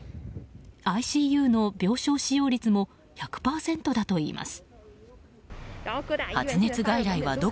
ＩＣＵの病床使用率も１００％だといいます。